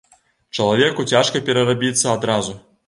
Чалавеку цяжка перарабіцца адразу.